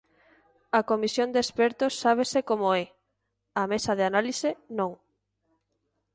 A comisión de expertos sábese como é; a mesa de análise, non.